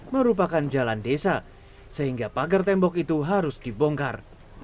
merupakan jalan desa sehingga pagar tembok itu harus dibongkar